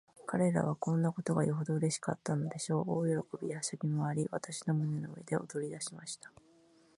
彼等はこんなことがよほどうれしかったのでしょう。大喜びで、はしゃぎまわり、私の胸の上で踊りだしました。